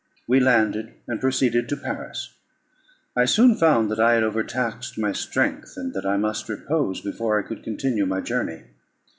We landed, and proceeded to Paris. I soon found that I had overtaxed my strength, and that I must repose before I could continue my journey.